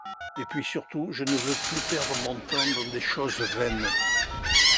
Et puis, surtout, je ne veux plus perdre mon temps dans des choses vaines.